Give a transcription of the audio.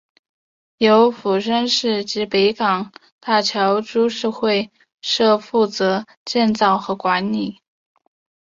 由釜山市及北港大桥株式会社负责建造和管理。